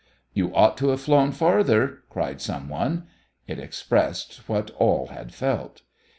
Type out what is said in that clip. "You ought to have flown farther," cried some one. It expressed what all had felt.